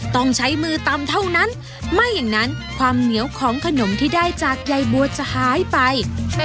ต้องใช้มือตำเท่านั้นไม่อย่างนั้นความเหนียวของขนมที่ได้จากใยบัวจะหายไป